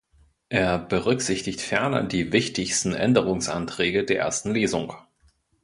Er berücksichtigt ferner die wichtigsten Änderungsanträge der ersten Lesung.